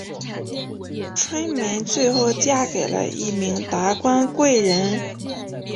春梅最后嫁给了一名达官贵人。